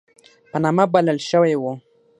په نامه بلل شوی وو.